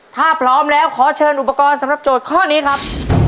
ถ้าพร้อมแล้วขอเชิญอุปกรณ์สำหรับโจทย์ข้อนี้ครับ